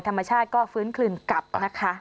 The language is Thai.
ธรรมชาติก็ฟื้นคืนกลับนะคะ